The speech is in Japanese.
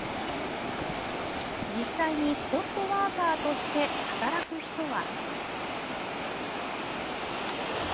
実際にスポットワーカーとして働く人は。